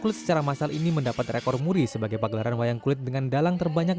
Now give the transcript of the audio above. kulit secara masal ini mendapat rekor muri sebagai pagelaran wayang kulit dengan dalang terbanyak